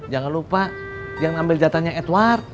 jangan lupa jangan ambil jatahnya edward